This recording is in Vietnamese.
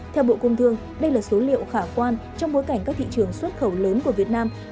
theo bộ công thương đây là số liệu khả quan trong bối cảnh các thị trường xuất khẩu lớn của việt nam